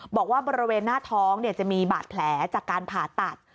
บอกว่าบริเวณหน้าท้องจะมีบาดแผลจากการผ่าตัด